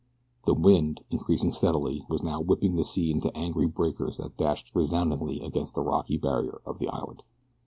The wind, increasing steadily, was now whipping the sea into angry breakers that dashed resoundingly against the rocky barrier of the island.